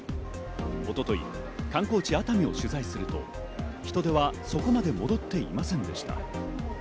一昨日、観光地・熱海を取材すると、人出はそこまで戻っていませんでした。